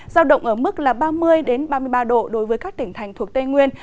giao động ở mức là ba mươi ba mươi ba độ đối với các tỉnh thành thuộc tây nguyên